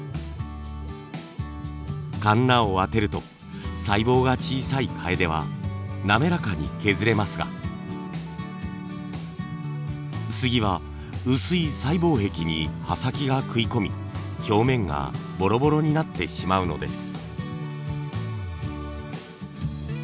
カンナをあてると細胞が小さいカエデは滑らかに削れますがスギは薄い細胞壁に刃先が食い込み表面がボロボロになってしまうのです。